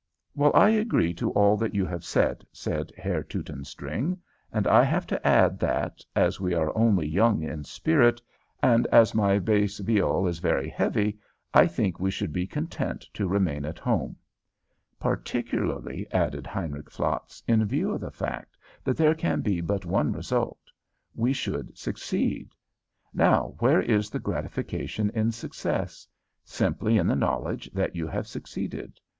"Well, I agree to all that you have said," said Herr Teutonstring; "and I have to add that, as we are only young in spirit, and as my bass viol is very heavy, I think we should be content to remain at home." "Particularly," added Heinrich Flatz, "in view of the fact that there can be but one result. We should succeed. Now where is the gratification in success? Simply in the knowledge that you have succeeded.